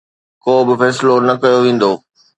ڪو به فيصلو نه ڪيو ويندو